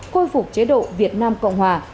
khôi phục chế độ việt nam cộng hòa